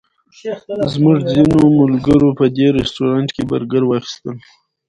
زموږ ځینو ملګرو په دې رسټورانټ کې برګر واخیستل.